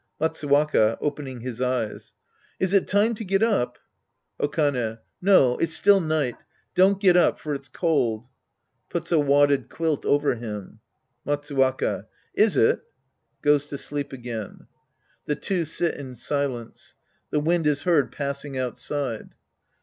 Matsuwaka {opening his eyes). Is it time to get up ? Okane. No. It's still night. Don't get up, for it's cold. (Puts a wadded quilt over him!) Matsuwaka. Is it ? {Goes to sleep again!) {The two sit in silence. The wind is heard passing outside!)